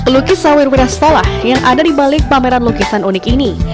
lukis sawir wirastolah yang ada di balik pameran lukisan unik ini